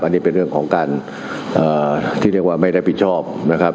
อันนี้เป็นเรื่องของการที่เรียกว่าไม่รับผิดชอบนะครับ